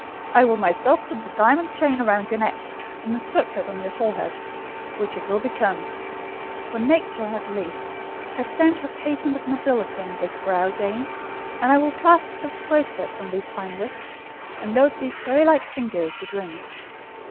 "I will myself put the diamond chain round your neck, and the circlet on your forehead,—which it will become: for nature, at least, has stamped her patent of nobility on this brow, Jane; and I will clasp the bracelets on these fine wrists, and load these fairy like fingers with rings."